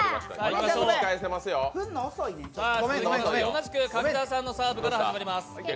同じく柿澤さんのサーブから始まります。